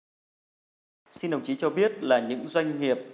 chủ nghĩa tư bản thân hữu cho biết là những doanh nghiệp